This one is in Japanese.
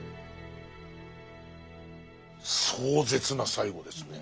壮絶な最期ですね。